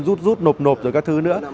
rút rút nộp nộp rồi các thứ nữa